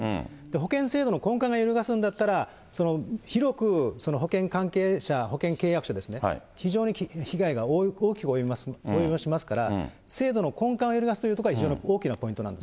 保険制度の根幹が揺るがすんだったら、広く保険関係者、保険契約者ですね、非常に被害が、大きく及ぼしますから、制度の根幹を揺るがすというところが非常に大きなポイントなんです。